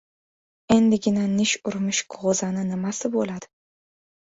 Endigina nish urmish g‘o‘zani nimasi bo‘ladi?